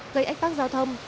gây ách bác giao thông